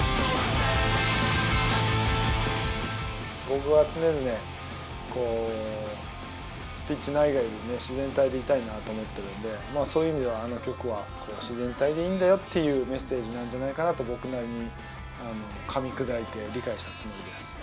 僕は常々こうピッチ内外でね自然体でいたいなと思っているのでそういう意味ではあの曲は「自然体でいいんだよ」っていうメッセージなんじゃないかなと僕なりにかみ砕いて理解したつもりです。